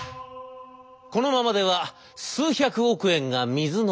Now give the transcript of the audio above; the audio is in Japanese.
このままでは数百億円が水の泡。